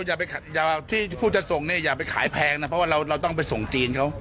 อย่าให้เขารู้สึกตัวเองปลอดภัย